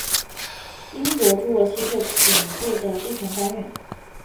英国侏罗系最顶部的地层单元。